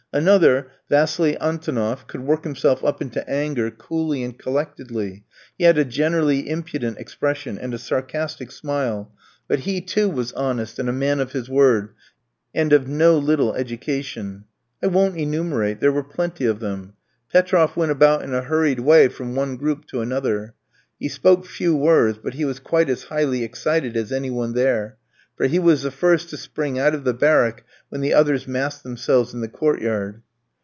Another, Vassili Antonoff, could work himself up into anger coolly and collectedly; he had a generally impudent expression, and a sarcastic smile, but he, too, was honest, and a man of his word, and of no little education. I won't enumerate; there were plenty of them. Petroff went about in a hurried way from one group to another. He spoke few words, but he was quite as highly excited as any one there, for he was the first to spring out of the barrack when the others massed themselves in the court yard.